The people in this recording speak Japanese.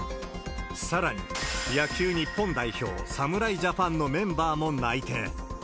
さらに、野球日本代表、侍ジャパンのメンバーも内定。